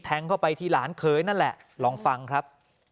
เข้าไปที่หลานเคยนั่นแหละลองฟังครับ